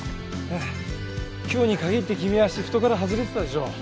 今日に限って君はシフトから外れてたでしょ。